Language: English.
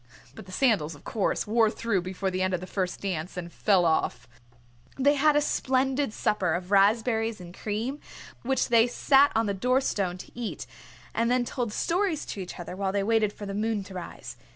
But the sandals, of course, wore through before the end of the first dance and fell off. They had a splendid supper of raspberries and cream, which they sat on the door stone to eat, and then told stories to each other, while they waited for the moon to rise.